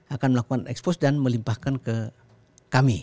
akan melakukan ekspos dan melimpahkan ke kami